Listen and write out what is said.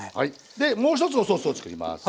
でもう一つおソースをつくります。